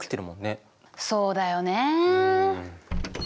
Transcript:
そうだよね。